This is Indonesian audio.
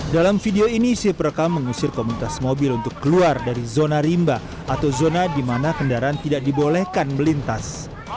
dalam video ini si perekam mengusir komunitas mobil untuk keluar dari zona rimba atau zona di mana kendaraan tidak dibolehkan melintas